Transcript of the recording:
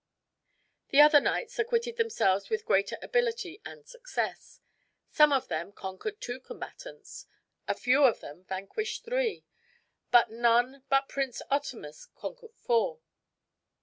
The other knights acquitted themselves with greater ability and success. Some of them conquered two combatants; a few of them vanquished three; but none but Prince Otamus conquered four.